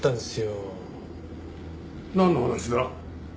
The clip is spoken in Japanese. なんの話だ？